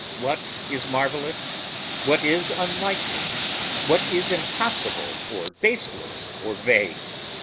What is marvellous? what is unlikely? what is impossible or baseless or vague?